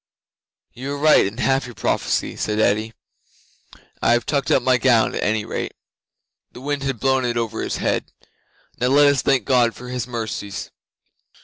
'"You are right in half your prophecy," said Eddi. "I have tucked up my gown, at any rate." (The wind had blown it over his head.) "Now let us thank God for His mercies."